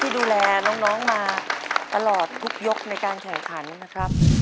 ดูแลน้องมาตลอดทุกยกในการแข่งขันนะครับ